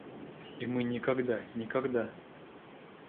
И мы никогда, никогда!